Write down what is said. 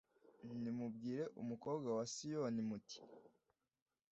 nimubwire umukobwa wa siyoni, muti